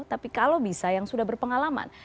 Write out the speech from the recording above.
tapi kalau bisa yang sudah berpengalaman